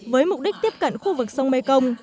với mục đích tiếp cận khu vực sông mê công